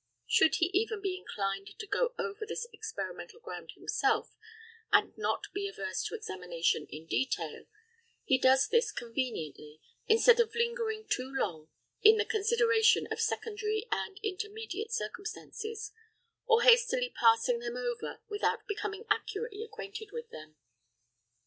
Should he even be inclined to go over this experimental ground himself, and not be averse to examination in detail, he does this conveniently, instead of lingering too long in the consideration of secondary and intermediate circumstances, or hastily passing them over without becoming accurately acquainted with them.